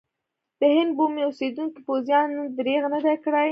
د هند بومي اوسېدونکو پوځیانو درېغ نه دی کړی.